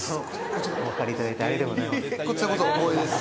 お分りいただいてありがとうございます。